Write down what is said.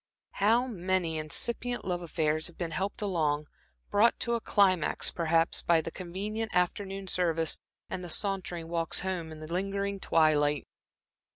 How many incipient love affairs have been helped along, brought to a climax perhaps, by the convenient afternoon service, and the sauntering walks home in the lingering twilight!